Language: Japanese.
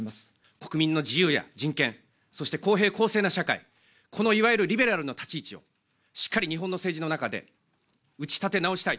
国民の自由や人権、公正公平な社会、このいわゆるリベラルのたち位置をしっかり日本の政治の中で打ち立て直したい。